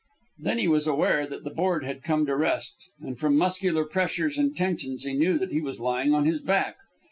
Then he was aware that the board had come to rest, and from muscular pressures and tensions he knew that he was lying on his back.